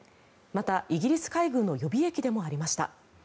また、イギリス海軍の予備役でもありました。